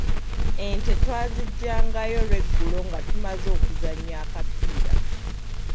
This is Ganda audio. Ente twaziggyangayo lweggulo nga tumaze okuzannya akapiira.